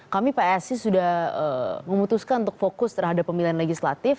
kami psi sudah memutuskan untuk fokus terhadap pemilihan legislatif